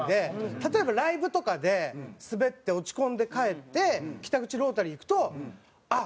例えばライブとかでスベって落ち込んで帰って北口ロータリー行くとあっ！